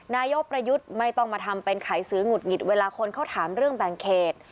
นายกประยุทธ์ไม่ต้องมาทำเป็นขายสือหงุดหงิดเวลาคนเขาถามเรื่องแบ่งเขต